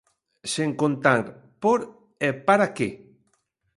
Sen contar por e para que.